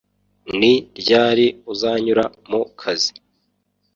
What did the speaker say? ni ryari uzanyura mu kazi